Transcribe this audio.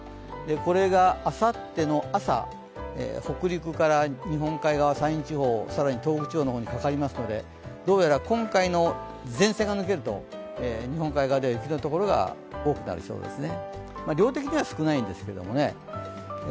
これがあさっての朝、北陸から日本海側、山陰地方、更に東北地方にかかりますのでどうやら今回の前線が抜けると日本海側では雪のところが多くなりそうですね。